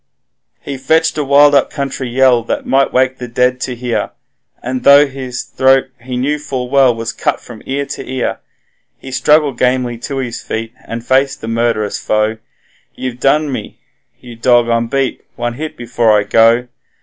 He fetched a wild up country yell might wake the dead to hear, And though his throat, he knew full well, was cut from ear to ear, He struggled gamely to his feet, and faced the murd'rous foe: 'You've done for me! you dog, I'm beat! one hit before I go!